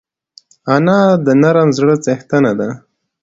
انا د نرم زړه څښتنه ده